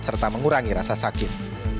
serta mengurangi rasa sakit